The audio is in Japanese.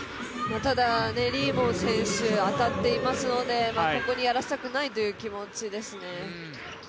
ただ、李夢選手当たっていますのでここにやらせたくないという気持ちですね。